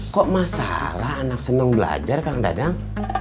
kok masalah anak senang belajar kang dadang